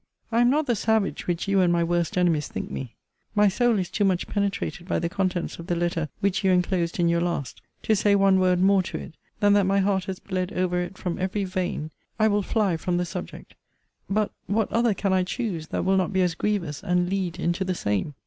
I am not the savage which you and my worst enemies think me. My soul is too much penetrated by the contents of the letter which you enclosed in your last, to say one word more to it, than that my heart has bled over it from every vein! I will fly from the subject but what other can I choose, that will not be as grievous, and lead into the same?